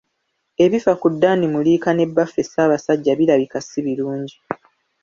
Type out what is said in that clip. Ebifa ku Dan Muliika ne Bbaffe Ssabasajja birabika si birungi.